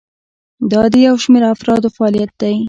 دا د یو شمیر افرادو فعالیت دی.